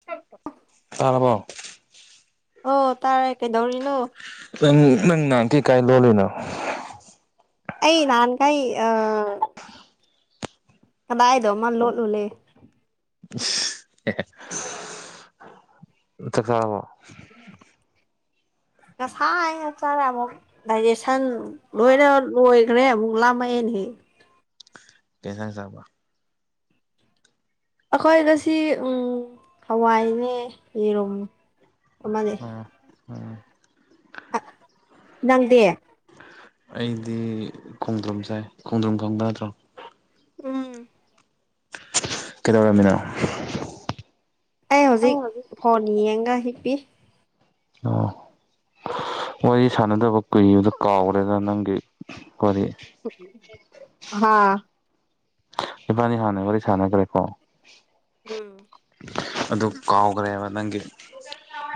[inaudible] ꯇꯥꯔꯕꯣ? ꯑꯣ ꯇꯥꯔꯦ꯫ ꯀꯩꯗꯧꯔꯤꯅꯣ? ꯅꯪ ꯅꯪ ꯅꯍꯥꯟꯈꯩ ꯀꯥꯏ ꯂꯣꯠꯂꯨꯏꯅꯣ? ꯑꯩ ꯅꯍꯥꯟ ꯀꯩ ꯑꯥ, ꯀꯗꯥꯏꯗꯣ ꯑꯃꯥ ꯂꯣꯠꯂꯨꯂꯦ꯫ ꯏꯁ ꯆꯥꯛ ꯆꯥꯔꯕꯣ? ꯉꯁꯥꯏꯅ ꯆꯥꯔꯃꯨꯛ꯫ ꯗꯥꯏꯖꯦꯁꯟ ꯂꯣꯏꯔ ꯂꯣꯏꯈ꯭ꯔꯦ ꯑꯃꯨꯛ ꯂꯥꯝꯃꯛꯑꯦꯅꯦꯍꯦ꯫ ꯀꯩ ꯍꯦꯟꯁꯥꯡ ꯆꯥꯕ? ꯑꯩꯈꯣꯏ ꯉꯁꯤ ꯎꯝ ꯍꯋꯥꯏꯅꯦ ꯌꯦꯔꯨꯝ ꯑꯃꯥꯅꯦ꯫ ꯑꯣ ꯅꯪꯗꯤ? ꯑꯩꯗꯤ ꯈꯣꯡꯗ꯭ꯔꯨꯝ ꯆꯥꯏ ꯫ꯈꯣꯡꯗ꯭ꯔꯨꯝ ꯈꯪꯕ ꯅꯠꯇ꯭ꯔꯣ? ꯎꯝ ꯀꯩꯗꯧꯔꯝꯃꯤꯅꯣ? ꯑꯩ ꯍꯧꯖꯤꯛ ꯑꯣ ꯐꯣꯟ ꯌꯦꯡꯉꯒ ꯍꯤꯞꯄꯤ꯫ [inaudible] ꯋꯥꯔꯤ ꯁꯥꯅꯗꯕ ꯀꯨꯏꯕꯗ ꯀꯥꯎꯒ꯭ꯔꯦꯗ ꯅꯪꯒꯤ ꯋꯥꯔꯤ꯫ ꯍꯥꯥ ꯏꯕꯥꯅꯤ ꯍꯥꯟꯅ ꯋꯥꯔꯤ ꯁꯥꯅꯒ꯭ꯔꯦꯀꯣ? ꯎꯝ ꯑꯗꯨ ꯀꯥꯎꯒ꯭ꯔꯦꯕ ꯅꯪꯒꯤ꯫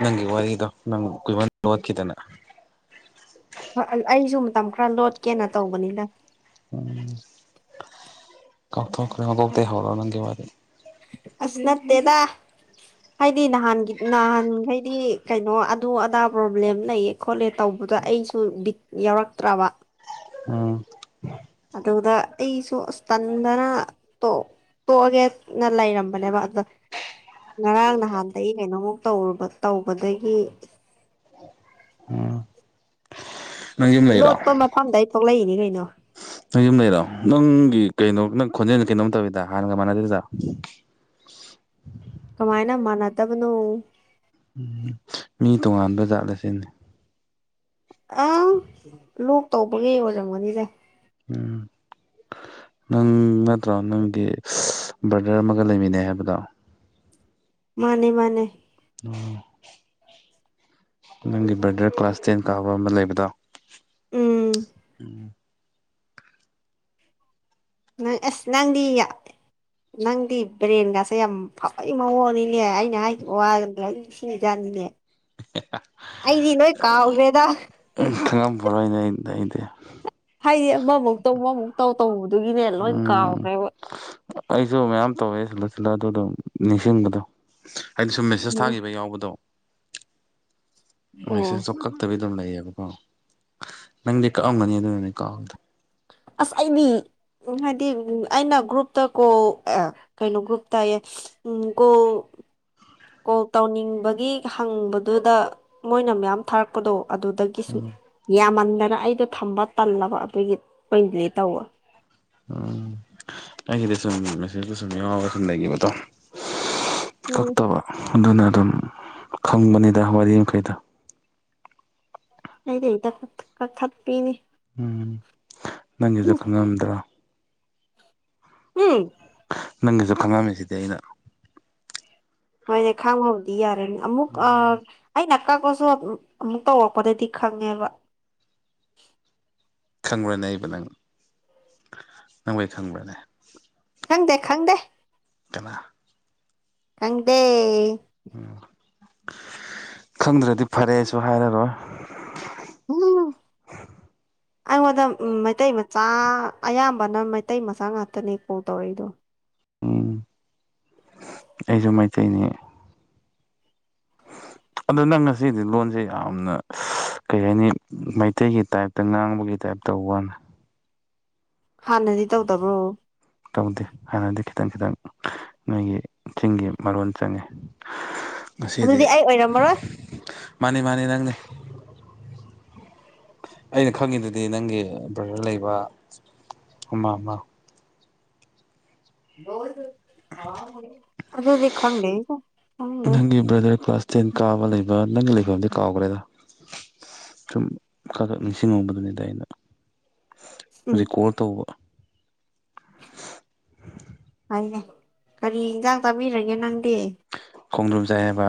ꯅꯪꯒꯤ ꯋꯥꯔꯤꯗꯣ ꯅꯪ ꯀꯨꯏꯃꯟ ꯂꯣꯠꯈꯤꯗꯥꯅ꯫ ꯑꯥ ꯑꯩꯖꯨ ꯃꯇꯝ ꯈꯔ ꯂꯣꯠꯀꯦꯅ ꯇꯧꯕꯅꯤꯗ꯫ ꯎꯝ ꯀꯥꯎꯊꯣꯛꯈ꯭ꯔꯦ ꯃꯀꯣꯛꯇꯩ ꯍꯧꯔꯣ ꯅꯪꯒꯤ ꯋꯥꯔꯤ꯫ ꯑꯁ ꯅꯠꯇꯦꯗꯥ꯫ ꯍꯥꯏꯗꯤ ꯅꯍꯥꯟꯒꯤ ꯅꯍꯥꯟꯈꯩꯗꯤ ꯀꯩꯅꯣ ꯑꯗꯨ ꯑꯗꯥ ꯄ꯭ꯔꯣꯕ꯭ꯂꯦꯝ ꯂꯩꯌꯦ꯫ ꯈꯣꯠꯂꯦ ꯇꯧꯕꯗꯨꯗ ꯑꯩꯁꯨ ꯕꯤꯠ ꯌꯥꯎꯔꯛꯇ꯭ꯔꯥꯕ꯫ ꯎꯝ ꯑꯗꯨꯗ ꯑꯩꯁꯨ ꯑꯁ ꯇꯟꯗꯅ ꯇꯣ ꯇꯣꯛꯑꯒꯦ ꯅ ꯂꯩꯔꯝꯕꯅꯦꯕ ꯑꯗꯨꯗ, ꯉꯔꯥꯡ ꯅꯍꯥꯟꯗꯒꯤ ꯀꯩꯅꯣꯃꯨꯛ ꯇꯧꯔꯨꯕ ꯇꯧꯕꯗꯒꯤ, ꯅꯪ ꯌꯨꯝ ꯂꯩꯔꯣ ꯂꯣꯠꯄ ꯃꯐꯝꯗꯩ ꯊꯣꯛꯂꯛꯏꯅꯤ ꯀꯩꯅꯣ꯫ ꯅꯪ ꯌꯨꯝ ꯂꯩꯔꯣ ꯅꯪ ꯒꯤ ꯀꯩꯅꯣ ꯅꯪ ꯈꯣꯟꯖꯦꯜꯖꯦ ꯀꯩꯅꯣꯝ ꯇꯧꯋꯤꯗ ꯍꯥꯟꯅꯒ ꯃꯥꯟꯅꯗꯦꯗ꯫ ꯀꯃꯥꯏꯅ ꯃꯥꯟꯅꯇꯕꯅꯣ꯫ ꯎꯝ ꯃꯤ ꯇꯣꯉꯥꯟꯕ ꯖꯥꯠꯂ ꯁꯤꯅꯤ ꯑꯪ ꯂꯣꯛ ꯇꯧꯕꯒꯤ ꯑꯣꯏꯔꯝꯒꯅꯤꯗ ꯎꯝ ꯅꯪ ꯅꯠꯇ꯭ꯔꯣ ꯅꯪꯗꯤ ꯕ꯭ꯔꯗꯔ ꯑꯃꯒ ꯂꯩꯃꯤꯟꯅꯩ ꯍꯥꯏꯕꯗꯣ ꯃꯥꯅꯦ ꯃꯥꯅꯦ ꯑꯣ ꯅꯪꯒꯤ ꯕ꯭ꯔꯗꯔ ꯀ꯭ꯂꯥꯁ ꯇꯦꯟ ꯀꯥꯕ ꯑꯃ ꯂꯩꯕꯗꯣ ꯎꯝ ꯎꯝ ꯅꯡ ꯑꯁ ꯅꯪꯗꯤ ꯌ ꯅꯪꯗꯤ ꯕ꯭ꯔꯦꯟꯒꯥꯁꯦ ꯌꯥꯝ ꯐꯕꯩ ꯃꯑꯣꯡꯅꯤꯅꯦ ꯑꯩꯅ ꯍꯥꯏꯈꯤꯕ ꯋꯥꯒꯗꯣ ꯅꯤꯁꯤꯡꯉꯤ ꯖꯥꯠꯅꯤꯅꯦ ꯑꯩꯗꯤ ꯂꯣꯏ ꯀꯥꯎꯒꯔ꯭ꯦꯗꯥ ꯈꯡꯉꯝꯃꯔꯣꯏꯅꯦ ꯑꯩ ꯑꯩꯗꯤ ꯍꯥꯏꯗꯤ ꯑꯃꯃꯨꯛ ꯇꯧ ꯑꯃꯃꯨꯛ ꯇꯧ ꯇꯧꯕꯗꯨꯒꯤꯅꯦ ꯂꯣꯏꯟ ꯎꯝ ꯀꯥꯎꯈ꯭ꯔꯦꯕ ꯑꯩꯁꯨ ꯃꯌꯥꯝ ꯇꯧꯋꯦ [unintelligible] ꯑꯗꯨꯗꯝ ꯅꯤꯡꯁꯤꯡꯕꯗꯣ ꯍꯥꯢꯗꯤ ꯁꯨꯝ ꯃꯦꯁꯦꯁ ꯎꯝ ꯊꯥꯒꯤꯕꯥ ꯌꯥꯎꯕꯗꯣ ꯑꯣ ꯃꯦꯁꯦꯁꯇꯣ ꯀꯛꯇꯕꯤ ꯑꯗꯨꯝ ꯂꯩꯌꯦꯕꯀꯣ ꯅꯪꯗꯤ ꯀꯛ ꯑꯝꯒꯅꯤ ꯑꯗꯨꯅꯅꯤ ꯀꯥꯎꯋꯤꯗꯣ ꯑꯁ ꯑꯩꯗꯤ ꯎꯝ ꯍꯥꯏꯗꯤ ꯑꯩꯅ ꯒ꯭ꯔꯨꯞꯇ ꯀꯣꯜ ꯑ ꯀꯩꯅꯣ ꯒ꯭ꯔꯨꯞꯇꯌꯦ ꯎꯝ ꯀꯣꯜ ꯀꯣꯜ ꯇꯧꯅꯤꯡꯕꯒꯤ ꯍꯪꯕꯗꯨꯗ ꯃꯣꯏꯅ ꯃꯌꯥꯝ ꯊꯥꯔꯛꯄꯗꯣ ꯑꯗꯨꯗꯒꯤꯁꯨ ꯌꯥꯝꯃꯟꯗꯅ ꯑꯩꯗꯣ ꯊꯝꯕ ꯇꯝꯂꯕ ꯑꯗꯨꯒꯤ ꯂꯣꯏꯟ ꯗꯤꯂꯦꯠ ꯇꯧꯕ ꯎꯝ ꯑꯩꯒꯤꯗꯤ ꯁꯨꯝ ꯃꯦꯁꯦꯖꯖꯨ ꯁꯨꯝ ꯌꯥꯎꯔꯒ ꯁꯨꯝ ꯂꯩꯒꯤꯕꯗꯣ ꯎꯝ ꯀꯛꯇꯕ ꯑꯗꯨꯅ ꯑꯗꯨꯝ ꯈꯪꯕꯅꯤꯗ ꯋꯥꯔꯤ ꯃꯈꯩꯗꯣ ꯑꯩꯗꯤ ꯍꯦꯛꯇ ꯀꯛ ꯀꯛꯊꯠꯄꯤꯅꯤ ꯎꯝ ꯅꯪꯒꯤꯖꯨ ꯈꯪꯉꯝꯗ꯭ꯔꯥ ꯍꯨꯝ ꯅꯪꯒꯤꯁꯨ ꯈꯪꯉꯝꯃꯤꯁꯤꯗꯤ ꯑꯩꯅ ꯍꯣꯏꯅꯦ ꯈꯡꯕꯨꯗꯤ ꯌꯥꯔꯦꯅꯦ ꯑꯃꯨꯛ ꯑ ꯑꯩꯅ ꯀꯛꯄꯁꯨ ꯑꯃꯨꯛ ꯇꯧꯔꯛꯄꯗꯗꯤ ꯈꯪꯉꯦꯕ ꯈꯪꯕ꯭ꯔꯅꯦ ꯑꯩꯕ ꯅꯪ ꯅꯪꯕꯨ ꯑꯩ ꯈꯪꯕ꯭ꯔꯅꯦ ꯈꯪꯗꯦ ꯈꯪꯗꯦ ꯀꯅꯥ ꯈꯪꯗꯦ ꯎꯝ ꯈꯪꯗ꯭ꯔꯗꯤ ꯐꯔꯦꯁꯨ ꯍꯥꯏꯔꯔꯣꯏ [unintelligible] ꯑꯩꯉꯣꯟꯗ ꯃꯩꯇꯩ ꯃꯆꯥ ꯑꯌꯥꯝꯕꯅ ꯃꯩꯇꯩ ꯃꯆꯥ ꯉꯥꯠꯇꯅꯦ ꯀꯣꯜ ꯇꯧꯔꯛꯏꯗꯣ ꯎꯝ ꯑꯩꯖꯨ ꯃꯩꯇꯩꯅꯤ ꯑꯗꯣ ꯅꯪ ꯉꯁꯤꯗꯤ ꯂꯣꯟꯁꯦ ꯌꯥꯝꯅ ꯀꯩ ꯍꯥꯏꯅꯤ ꯃꯩꯇꯩꯒꯤ ꯇꯥꯏꯞꯇ ꯉꯥꯡꯕꯒꯤ ꯇꯥꯏꯞ ꯇꯧꯕꯋꯥꯅꯦ ꯍꯥꯟꯅꯗꯤ ꯇꯧꯗꯕ꯭ꯔꯣ ꯇꯧꯗꯦ ꯍꯥꯟꯅꯗꯤ ꯈꯤꯇꯪ ꯈꯤꯇꯪ ꯅꯣꯏꯒꯤ ꯆꯤꯡꯒꯤ ꯃꯔꯣꯟ ꯆꯪꯉꯦ ꯉꯁꯤꯗꯤ ꯑꯗꯨꯗꯤ ꯑꯩ ꯑꯣꯏꯔꯝꯃꯔꯣꯏ ꯃꯥꯅꯦ ꯃꯥꯅꯦ ꯅꯪꯅꯦ ꯑꯩꯅ ꯈꯪꯉꯤꯗꯨꯗꯤ ꯅꯪꯒꯤ ꯕ꯭ꯔꯗꯔ ꯂꯩꯕ ꯑꯃ ꯃꯥ [unintelligible] ꯑꯗꯨꯗꯤ ꯈꯪꯗꯦꯕꯣ ꯈꯪꯗꯔꯦ ꯕꯗ꯭ꯔ ꯀ꯭ꯂꯥꯁ ꯇꯦꯟ ꯀꯥꯕ ꯂꯩꯕ ꯅꯪꯒꯤ ꯂꯩꯐꯝꯗꯤ ꯀꯥꯎꯈ꯭ꯔꯦꯗ ꯁꯨꯝ ꯈꯥꯈꯛ ꯅꯤꯡꯁꯤꯡ ꯉꯨꯕꯗꯨꯅꯤꯗ ꯑꯩꯅ ꯎꯝ ꯔꯤꯀꯣꯜ ꯇꯧꯕ ꯍꯥꯏꯅꯦ ꯀꯔꯤ ꯏꯟꯖꯥꯡ ꯆꯥꯕꯤꯔꯒꯦ ꯅꯪꯗꯤ ꯈꯣꯡꯗ꯭ꯔꯨꯝ ꯆꯥꯏ ꯍꯥꯏꯕ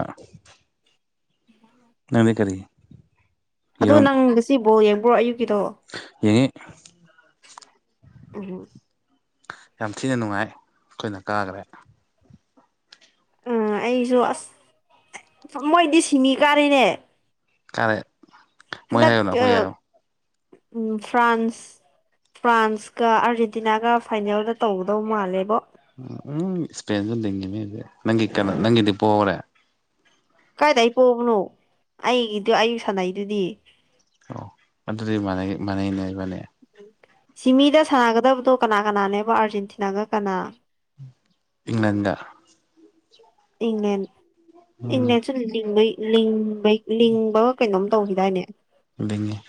ꯅꯪꯗꯤ ꯀꯔꯤ ꯑꯗꯣ ꯅꯪ ꯉꯁꯤ ꯕꯣꯜ ꯌꯦꯡꯕ꯭ꯔꯣ ꯑꯌꯨꯛꯀꯤꯗꯣ ꯌꯦꯡꯏ ꯑꯝ ꯍꯝ ꯌꯥꯝ ꯊꯤꯅ ꯅꯨꯡꯉꯥꯏ ꯑꯩꯈꯣꯏꯅ ꯀꯥꯈ꯭ꯔꯦ ꯑ ꯑꯩꯁꯨ ꯑꯁ ꯃꯣꯏꯗꯤ ꯁꯤꯃꯤ ꯀꯥꯔꯤꯅꯦ ꯀꯥꯔꯦ ꯃꯣꯏ ꯅꯛ ꯍꯥꯏꯌꯨꯅ ꯑꯩꯈꯣꯏ ꯍꯥꯏꯌꯣ ꯎ ꯐ꯭ꯔꯥꯟꯁ ꯐ꯭ꯔꯥꯟꯁꯀ ꯑꯥꯔꯖꯦꯟꯇꯤꯅꯥꯒ ꯐꯥꯏꯅꯦꯜꯗ ꯇꯧꯒꯗꯧ ꯃꯥꯜꯂꯦꯕꯣ ꯎꯝ ꯎꯝ ꯏꯁꯄꯦꯟꯁꯨ ꯂꯤꯡꯉꯅꯦ ꯑꯗꯤ ꯅꯪꯒꯤ ꯀꯩꯅꯣ ꯅꯪꯒꯤꯗꯤ ꯄꯣꯔꯦ ꯀꯥꯏꯗꯩ ꯄꯣꯕꯅꯣ ꯑꯩꯒꯤꯗꯨ ꯑꯌꯨꯛ ꯁꯥꯟꯅꯩꯗꯨꯗꯤ ꯑꯣ ꯑꯗꯨꯗꯤ ꯃꯥꯟꯅꯩ ꯃꯥꯟꯅꯩꯅꯦ ꯏꯕꯥꯟꯅꯤ ꯁꯤꯃꯤꯗ ꯁꯥꯟꯅꯒꯗꯕꯗꯣ ꯀꯅꯥ ꯀꯅꯥꯅꯦꯕ ꯑꯥꯔꯖꯦꯟꯇꯤꯅꯥꯒ ꯀꯅꯥ [inaudible] ꯏꯪꯂꯦꯟꯗ ꯏꯪꯂꯦꯟ ꯏꯪꯂꯦꯟꯁꯨ ꯂꯤꯡꯕꯩ ꯂꯤꯡ ꯂꯤꯡꯕꯒ ꯀꯩꯅꯣꯝ ꯇꯧꯈꯤꯗꯥꯏꯅꯦ ꯂꯤꯡꯑꯦ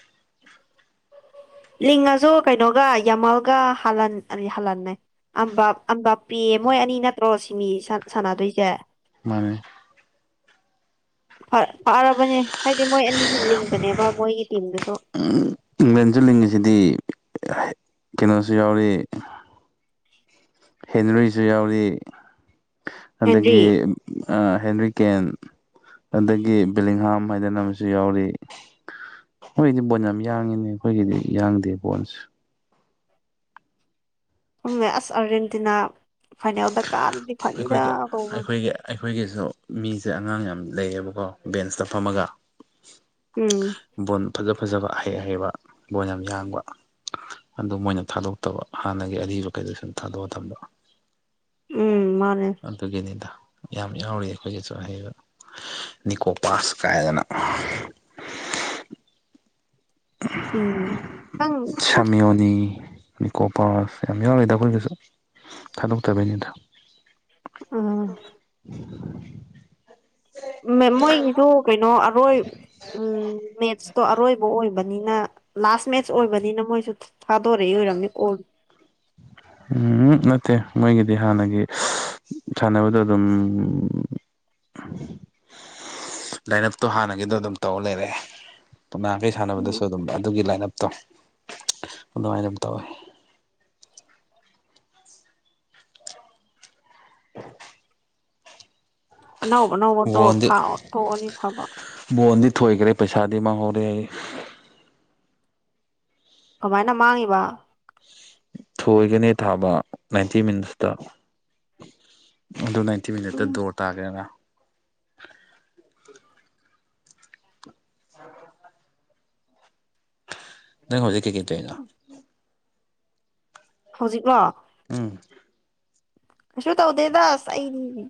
ꯂꯤꯡꯉꯁꯨ ꯀꯩꯅꯣꯒ ꯌꯥꯃꯜꯒ ꯍꯜꯂꯟ ꯑꯔꯤ ꯍꯜꯂꯟ ꯍꯥꯏ ꯑꯝꯕꯥꯞ ꯑꯝꯕꯥꯞꯄꯤ ꯃꯣꯏ ꯑꯅꯤ ꯅꯠꯇ꯭ꯔꯣ ꯁꯤꯃꯤ ꯁꯥꯟꯅꯗꯣꯏꯁꯦ ꯃꯥꯅꯦ ꯐ ꯐꯥꯔꯕꯅꯦ ꯍꯥꯏꯗꯤ ꯃꯣꯏ ꯑꯅꯤꯁꯤ ꯂꯤꯡꯕꯅꯦꯕ ꯃꯣꯏꯒꯤ ꯇꯤꯝꯗꯨꯁꯨ ꯏꯪꯂꯦꯟꯁꯨ ꯂꯤꯡꯉꯤꯁꯤꯗꯤ ꯀꯩꯅꯣꯁꯨ ꯌꯥꯎꯔꯤ ꯍꯦꯟꯅꯔꯤꯏꯁꯨ ꯌꯥꯎꯔꯤ ꯍꯦꯟꯗ꯭ꯔꯤ ꯑꯗꯒꯤ ꯍꯦꯟꯔꯤ ꯀꯦꯟ ꯑꯗꯒꯤ ꯕꯤꯂꯤꯡꯍꯥꯝ ꯍꯥꯏꯗꯅ ꯑꯃꯁꯨ ꯌꯥꯎꯔꯤ ꯑꯩꯈꯣꯏꯗꯤ ꯕꯣꯟ ꯌꯥꯝ ꯌꯥꯡꯉꯤꯅꯦ ꯑꯩꯈꯣꯏꯒꯤꯗꯤ ꯌꯥꯡꯗꯦ ꯕꯣꯟꯁꯦ ꯈꯪꯗꯦ ꯑꯁ ꯑꯥꯔꯖꯦꯟꯇꯤꯅꯥ ꯐꯥꯏꯅꯦꯜꯗ ꯀꯥꯔꯥꯗꯤ ꯐꯅꯤꯗ ꯑꯩꯈꯣꯏꯒꯤ ꯇꯧꯕꯥ ꯑꯩꯈꯣꯏꯒꯤ ꯑꯩꯈꯣꯏꯒꯤꯁꯨ ꯃꯤꯁꯦ ꯑꯉꯥꯡ ꯌꯥꯝ ꯂꯩꯌꯦꯕꯀꯣ ꯕꯦꯟꯁꯇ ꯐꯝꯃꯒ ꯎꯝ ꯕꯣꯜ ꯐꯖ ꯐꯖꯕ ꯑꯍꯩ ꯑꯍꯩꯕ ꯕꯣꯜ ꯌꯥꯝ ꯌꯥꯡꯕ ꯑꯗꯨ ꯃꯣꯏꯅ ꯊꯥꯗꯣꯛꯇꯕ ꯍꯥꯟꯅꯒꯤ ꯑꯔꯤꯕꯈꯩꯗꯣ ꯁꯨꯝ ꯊꯥꯗꯣꯛꯑ ꯊꯝꯕ ꯎꯝ ꯃꯥꯅꯦ ꯑꯗꯨꯒꯤꯅꯤꯗ ꯌꯥꯝ ꯌꯥꯎꯔꯤ ꯑꯩꯈꯣꯏꯒꯤꯁꯨ ꯑꯍꯩꯕ ꯅꯤꯀꯣꯄꯥꯥꯁ ꯀꯥꯏꯗꯅ ꯎꯝ ꯍꯪ ꯇꯛ ꯅꯤ ꯅꯤꯀꯣꯄꯥꯁ ꯌꯥꯝ ꯌꯥꯎꯔꯤꯗ ꯑꯩꯈꯣꯏꯒꯁꯨ ꯊꯥꯗꯣꯛꯇꯕꯩꯅꯤꯗ ꯑꯝ ꯃꯦ ꯃꯣꯏꯒꯤꯁꯨ ꯀꯩꯅꯣ ꯑꯔꯣꯏ ꯎꯝ ꯃꯦꯠꯁꯇꯣ ꯑꯔꯣꯏꯕ ꯑꯣꯏꯕꯅꯤꯅ ꯂꯥꯁ ꯃꯦꯠꯁ ꯑꯣꯏꯕꯅꯤꯅ ꯃꯣꯏꯁꯨ ꯊꯥꯗꯣꯔꯛꯏ ꯑꯣꯏꯔꯝꯅꯤ ꯀꯣꯜ ꯎꯝ ꯅꯠꯇꯦ ꯃꯣꯏꯒꯤꯗꯤ ꯍꯥꯟꯅꯒꯤ ꯁꯥꯟꯅꯕꯗꯣ ꯑꯗꯨꯝ ꯂꯥꯏꯟ ꯑꯞꯇꯣ ꯍꯥꯟꯅꯒꯤꯗꯣ ꯑꯗꯨꯝ ꯇꯧꯔꯦ ꯂꯩꯔꯦ [unintelligible] ꯎꯝ ꯁꯥꯟꯅꯕꯗꯁꯨ ꯑꯗꯨꯝ ꯑꯗꯨꯒꯤ ꯂꯥꯏꯅ ꯑꯞꯇꯣ ꯑꯗꯨꯃꯥꯏꯅ ꯑꯗꯨꯝ ꯇꯧꯋꯦ [inaudible] [inaudible] ꯑꯅꯧ ꯑꯅꯧꯕꯗꯣ ꯕꯣꯟꯗꯤ ꯊꯥꯎ ꯇꯣꯛꯑꯗꯤ ꯐꯕ ꯕꯣꯟꯗꯤ ꯊꯣꯏꯈ꯭ꯔꯦ ꯄꯩꯁꯥꯗꯤ ꯃꯥꯡꯍꯧꯔꯦꯌꯦ ꯀꯃꯥꯏꯅ ꯃꯥꯡꯉꯤꯕ ꯊꯣꯏꯒꯅꯦ ꯊꯥꯕ ꯅꯥꯏꯟꯇꯤ ꯃꯤꯅꯤꯠꯁꯇ ꯑꯗꯨ ꯅꯥꯏ ꯇꯤ ꯃꯤꯅꯠꯇ ꯎꯝ ꯗꯣꯔ ꯇꯥꯒ꯭ꯔꯦꯅ [inaudible] ꯅꯪ ꯍꯧꯖꯤꯛ ꯀꯩ ꯀꯩ ꯇꯣꯏꯅꯣ ꯍꯧꯖꯤꯛꯂꯣ ꯎꯝ ꯀꯩꯁꯨ ꯇꯧꯗꯦꯗ ꯑꯁ ꯑꯩꯗꯤ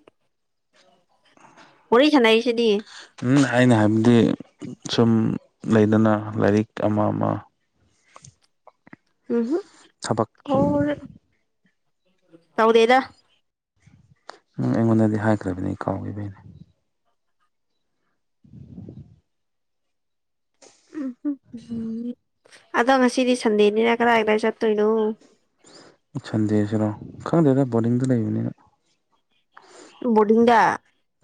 ꯋꯥꯔꯤ ꯁꯥꯟꯅꯩꯁꯤꯗꯤ ꯎꯝ ꯑꯩꯅ ꯍꯥꯏꯕꯗꯤ ꯁꯨꯝ ꯂꯩꯗꯅ ꯂꯥꯏꯔꯤꯛ ꯑꯃꯥ ꯑꯃꯥ ꯎꯝꯍꯨꯝ ꯊꯕꯛ ꯇꯧꯗꯦꯗ ꯇꯧꯗꯦꯗ ꯎꯝ ꯑꯩꯉꯣꯟꯗꯗꯤ ꯍꯥꯏꯈ꯭ꯔꯕꯅꯤ ꯀꯥꯎꯒꯤꯕꯩꯅꯦ ꯑꯗꯣ ꯉꯁꯤꯗꯤ ꯁꯟꯗꯦꯅꯤꯅ ꯀꯗꯥꯏꯗꯥꯏ ꯆꯠꯇꯣꯏꯅꯣ ꯁꯟꯗꯦꯁꯤꯔꯣ ꯈꯪꯗꯦꯗ ꯕꯣꯔꯗꯤꯡꯗ ꯂꯩꯕꯅꯤꯅ ꯕꯣꯔꯗꯤꯡꯗ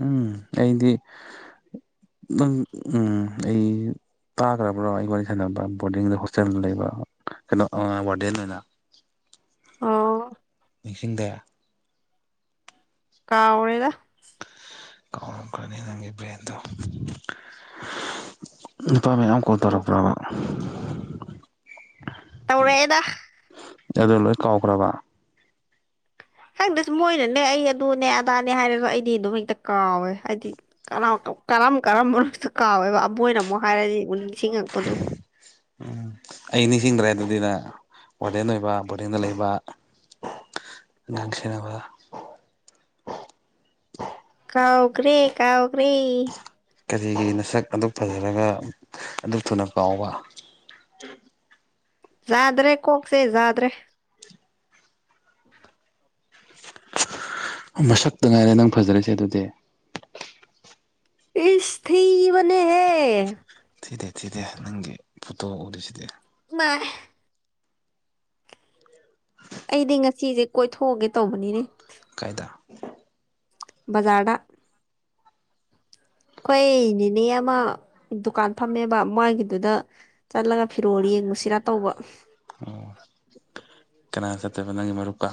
ꯎꯝ ꯑꯩꯗꯤ [inaudible] ꯅꯪ ꯎꯝ ꯑꯩꯖꯤ ꯇꯥꯒ꯭ꯔꯥꯕ꯭ꯔꯣ ꯑꯩ ꯋꯥꯔꯤ ꯁꯥꯟꯅꯕ ꯕꯣꯔꯗꯤꯡꯗ ꯍꯣꯁꯇꯦꯜꯗ ꯂꯩꯕ ꯀꯩꯅꯣ ꯑꯥ ꯋꯥꯔꯗꯦꯟ ꯑꯣꯏꯅ ꯑꯣ ꯅꯤꯡꯁꯤꯡꯗꯦ ꯀꯥꯎꯔꯦꯗ ꯀꯥꯎꯔꯝꯒꯅꯤ ꯅꯪꯒꯤ ꯕ꯭ꯔꯦꯟꯗꯣ ꯅꯨꯄꯥ ꯃꯌꯥꯝ ꯀꯣꯜ ꯇꯧꯔꯛꯄ꯭ꯔꯕ ꯇꯧꯔꯛꯑꯦꯗ ꯑꯗꯨ ꯂꯣꯏ ꯀꯥꯎꯈ꯭ꯔꯕ ꯈꯪꯗꯦ ꯁꯨꯝ ꯃꯣꯏꯅꯅꯦ ꯑꯩ ꯑꯗꯨꯅꯦ ꯑꯗꯥꯅꯦ ꯍꯥꯏꯔꯒ ꯑꯩꯗꯤ ꯑꯗꯨꯝ ꯍꯦꯛꯇ ꯀꯥꯎꯋꯦ ꯍꯥꯏꯗꯤ ꯀꯔꯥꯎꯀꯞ ꯀꯔꯝ ꯀꯔꯝꯕꯅꯣꯁꯨ ꯀꯥꯎꯋꯦꯕ ꯑꯃꯣꯏꯅ ꯑꯃꯨꯛ ꯍꯥꯏꯔꯗꯤ ꯃꯨ ꯅꯤꯡꯁꯤꯡꯉꯛꯄꯗꯣ ꯎꯝ ꯑꯩ ꯅꯤꯡꯁꯤꯡꯗ꯭ꯔꯦ ꯑꯗꯨꯗꯤ ꯅꯥ ꯋꯥꯔꯗꯦꯟ ꯑꯣꯏꯕ ꯕꯣꯔꯗꯤꯡꯗ ꯂꯩꯕ ꯅꯪ ꯁꯦꯅꯕ ꯀꯥꯎꯒ꯭ꯔꯦ ꯀꯥꯎꯒ꯭ꯔꯦ ꯀꯔꯤꯒꯤ ꯅꯁꯛ ꯑꯗꯨꯛ ꯐꯖꯔꯒ ꯑꯗꯨꯛ ꯊꯨꯅ ꯀꯥꯎꯕ ꯖꯥꯗ꯭ꯔꯦ ꯀꯣꯛꯁꯦ ꯖꯥꯗ꯭ꯔꯦ ꯎꯝ ꯃꯁꯛꯇ ꯉꯥꯏꯔꯦ ꯅꯪ ꯐꯖꯔꯤꯁꯦ ꯑꯗꯨꯗꯤ ꯏꯁ ꯊꯤꯕꯅꯦꯍꯦ ꯊꯤꯗꯦ ꯊꯤꯗꯦ ꯅꯪꯒꯤ ꯐꯣꯇꯣ ꯎꯔꯤꯁꯤꯗꯤ ꯏꯃꯥꯏ ꯑꯩꯗꯤ ꯉꯁꯤꯖꯦ ꯀꯣꯏꯊꯣꯛꯎꯒꯦ ꯇꯧꯕꯅꯤꯅꯦ ꯀꯥꯏꯗ ꯕꯖꯥꯔꯗ ꯈꯣꯏ ꯅꯦꯅꯦ ꯑꯃ ꯗꯨꯀꯥꯟ ꯐꯝꯃꯦꯕ ꯃꯥꯒꯤꯗꯨꯗ ꯆꯠꯂꯒ ꯐꯤꯔꯣꯜ ꯌꯦꯡꯉꯨꯁꯤꯔ ꯇꯧꯕ ꯑꯣ ꯀꯅꯥ ꯆꯠꯇꯨꯏꯕ ꯅꯪꯒꯤ ꯃꯔꯨꯞꯀ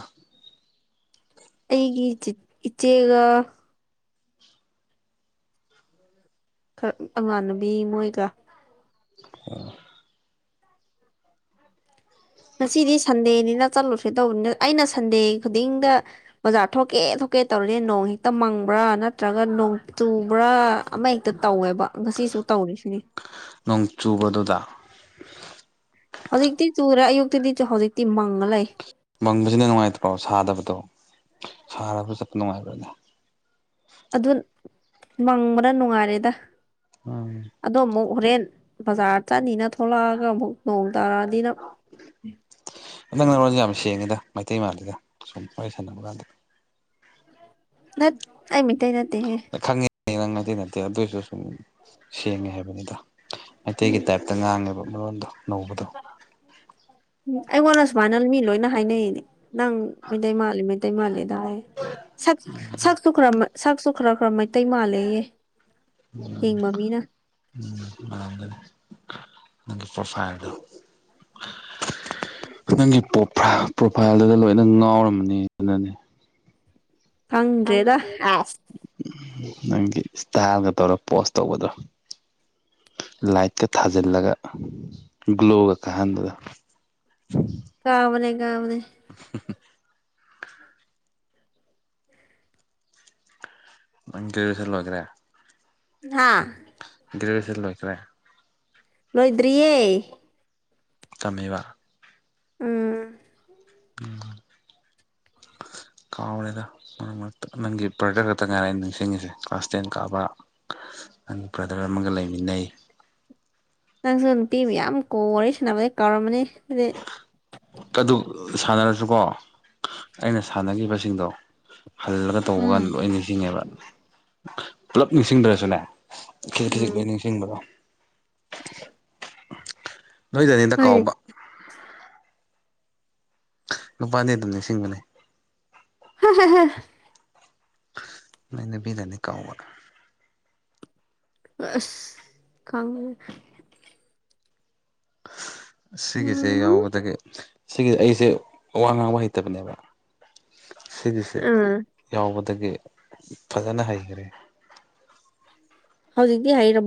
ꯑꯩꯒꯤ ꯆꯤꯠ ꯏꯆꯦꯒ ꯈꯔ ꯑꯃꯥꯟꯅꯕꯤ ꯃꯣꯏꯒ ꯑꯣ ꯉꯁꯤꯗꯤ ꯁꯟꯗꯦꯅꯤꯅ ꯆꯠꯂꯨꯁꯦ ꯇꯧꯕꯅꯤꯗ ꯑꯩꯅ ꯁꯟꯗꯦ ꯈꯨꯗꯤꯡꯗ ꯕꯖꯥꯔ ꯊꯣꯛꯀꯦ ꯊꯣꯛꯀꯦ ꯇꯧꯔꯗꯤ ꯅꯣꯡ ꯍꯦꯛꯇ ꯃꯪꯕ꯭ꯔꯥ ꯅꯠꯇ꯭ꯔꯒ ꯅꯣꯡ ꯆꯨꯕ꯭ꯔꯥ ꯑꯃ ꯍꯦꯛꯇ ꯇꯧꯋꯦꯕ ꯉꯁꯤꯁꯨ ꯇꯧꯔꯤꯁꯤꯅꯤ ꯅꯣꯡ ꯆꯨꯕ ꯑꯗꯨꯗ ꯍꯧꯖꯤꯛꯇꯤ ꯆꯨꯔꯦ ꯑꯌꯨꯛꯇꯗꯤ ꯆꯨ ꯍꯧꯖꯤꯛꯇꯤ ꯃꯪꯉ ꯂꯩ ꯃꯪꯕꯖꯤꯅ ꯅꯨꯡꯉꯥꯏꯇ꯭ꯔꯣ ꯁꯥꯗꯕꯗꯣ ꯁꯥꯔꯒ ꯆꯠꯄ ꯅꯨꯡꯉꯥꯏꯕ꯭ꯔꯅꯦ ꯑꯗꯨ ꯃꯪꯕꯅ ꯅꯨꯡꯉꯥꯏꯔꯦꯗ ꯎꯝ ꯑꯗꯣ ꯑꯃꯨꯛ ꯍꯣꯔꯦꯟ ꯕꯖꯥꯔ ꯆꯠꯅꯤꯅ ꯊꯣꯛꯂꯛꯑꯒ ꯑꯃꯨꯛ ꯅꯣꯡ ꯇꯥꯔꯛꯑꯗꯤꯅ ꯅꯪ ꯅꯔꯣꯟꯖꯦ ꯌꯥꯝ ꯁꯦꯡꯉꯤꯗ ꯃꯩꯇꯩ ꯃꯥꯜꯂꯤꯗ ꯁꯨꯝ ꯋꯥꯔꯤ ꯁꯥꯟꯅꯕ ꯀꯥꯟꯗ ꯅꯠ ꯑꯩ ꯃꯩꯇꯩ ꯅꯠꯇꯦꯍꯦ ꯈꯪꯉꯤ ꯅꯪ ꯃꯩꯇꯩ ꯅꯠꯇꯦ ꯑꯗꯨꯏꯁꯨ ꯁꯨꯝ ꯁꯦꯡꯉꯦ ꯍꯥꯏꯕꯅꯤꯗ ꯃꯩꯇꯩꯒꯤ ꯇꯥꯏꯞ ꯇ ꯉꯥꯡꯉꯦꯕ ꯃꯔꯣꯟꯗꯣ ꯅꯧꯕꯗꯣ ꯑꯩꯉꯣꯟꯗ ꯁꯨꯃꯥꯏꯅ ꯃꯤ ꯂꯣꯏꯅ ꯍꯥꯏꯅꯩꯅꯦ ꯅꯪ ꯃꯩꯇꯩ ꯃꯥꯜꯂꯤ ꯃꯩ ꯇꯩ ꯃꯥꯜꯂꯦꯗ ꯁꯛ ꯁꯛꯁꯨ ꯈꯔ ꯃ ꯁꯛꯁꯨ ꯈꯔ ꯈꯔ ꯃꯩꯇꯩ ꯃꯥꯂꯦꯌꯦ ꯎꯝ ꯎꯝ ꯃꯥꯟꯒꯅꯤ ꯅꯪꯒꯤ ꯄ꯭ꯔꯣꯐꯥꯏꯜꯗꯣ ꯅꯪꯒꯤ ꯄ꯭ꯔꯣꯐꯥꯏꯜ ꯄ꯭ꯔꯣꯐꯥꯏꯜꯗꯨꯗ ꯂꯣꯏꯅ ꯉꯥꯎꯔꯝꯃꯅꯤ ꯑꯗꯨꯅꯅꯦ ꯈꯪꯗ꯭ꯔꯦꯗ ꯈꯪꯗꯦꯗ ꯑꯁ ꯅꯪꯒꯤ ꯏꯁꯇꯥꯜꯒ ꯇꯧꯔꯒ ꯄꯣꯁ ꯇꯧꯕꯗꯣ ꯂꯥꯏꯠꯀ ꯊꯥꯖꯤꯜꯂꯒ ꯒ꯭ꯂꯣꯒ ꯀꯥꯍꯟꯕꯗ ꯀꯥꯕꯅꯦ ꯀꯥꯕꯅꯦ [unintelligible] ꯅꯪ ꯒꯦꯖ꯭ꯋꯦꯁꯟ ꯂꯣꯏꯒ꯭ꯔꯦ ꯍꯥꯥ ꯒ꯭ꯔꯦꯖ꯭ꯋꯦꯁꯟ ꯂꯣꯏꯒ꯭ꯔꯦ ꯂꯣꯏꯗ꯭ꯔꯤꯌꯦ ꯇꯝꯃꯤꯕ ꯎꯝ [unintelligible] [inaudible] ꯀꯥꯎꯔꯦꯗ ꯃꯔꯛ ꯃꯔꯛꯇ ꯅꯪꯒꯤ ꯕ꯭ꯔꯗꯔ ꯈꯛꯇ ꯉꯥꯏꯔꯦ ꯑꯩꯅ ꯅꯤꯡꯁꯤꯡꯉꯤꯁꯦ ꯀ꯭ꯂꯥꯁ ꯇꯦꯟ ꯀꯥꯕ ꯅꯪ ꯕ꯭ꯔꯗꯔ ꯑꯃꯒ ꯂꯩꯃꯤꯟꯅꯩ ꯅꯪꯁꯨ ꯅꯨꯄꯤ ꯃꯌꯥꯝ ꯀꯣꯜ ꯋꯥꯔꯤ ꯁꯥꯟꯅꯕꯗꯩ ꯀꯥꯎꯔꯝꯃꯅꯤ [unintelligible] ꯑꯗꯨ ꯁꯥꯟꯅꯔꯁꯨꯀꯣ ꯑꯩꯅ ꯁꯥꯟꯅꯒꯤꯕꯁꯤꯡꯗꯣ ꯍꯜꯂꯒ ꯇꯧꯕ ꯀꯥꯟꯗ ꯂꯣꯏ ꯅꯤꯡꯁꯤꯡꯉꯦꯕ ꯄꯨꯂꯞ ꯅꯤꯡꯁꯤꯡꯗ꯭ꯔꯁꯨꯅꯦ ꯈꯤꯖꯤꯛ ꯈꯤꯖꯤꯛ ꯎꯝ ꯂꯣꯏ ꯅꯤꯡꯁꯤꯡꯕꯔꯥ [unintelligible] ꯅꯣꯏꯗꯅꯤꯗ ꯍꯥꯏꯗꯤ ꯀꯥꯎꯕ ꯅꯨꯄꯥꯗꯤ ꯑꯗꯨꯝ ꯅꯤꯡꯁꯤꯡꯕꯅꯦ [unintelligible] ꯅꯣꯏ ꯅꯨꯄꯤꯗꯅꯤ ꯀꯥꯎꯕ ꯑꯁ ꯈꯪꯉꯦ ꯁꯤꯒꯤꯁꯦ ꯎꯝ ꯌꯥꯎꯕꯗꯒꯤ ꯁꯤꯒꯤ ꯑꯩꯖꯦ ꯋꯥ ꯉꯥꯡꯕ ꯍꯩꯇꯕꯅꯦꯕ ꯁꯤꯒꯤꯁꯦ ꯑꯥ ꯌꯥꯎꯕꯗꯒꯤ ꯐꯖꯅ ꯍꯩꯈ꯭ꯔꯦ ꯍꯧꯖꯤꯛꯗꯤ ꯍꯩꯔꯕꯣ